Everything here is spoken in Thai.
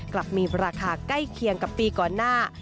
กลับมีราคาใกล้เคียงกับปีก่อนหน้า